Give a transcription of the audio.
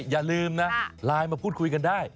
อย่าลืมนะไลน์มาพูดคุยกันได้